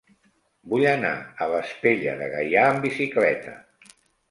Vull anar a Vespella de Gaià amb bicicleta.